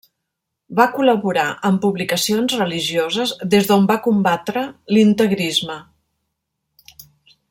Va col·laborar amb publicacions religioses, des d'on va combatre l'integrisme.